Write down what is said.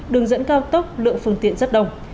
đường dẫn cao tốc lượng phương tiện rất đông